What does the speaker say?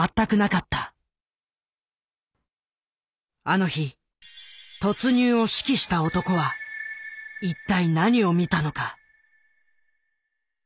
あの日突入を指揮した男は一体何を見たのか？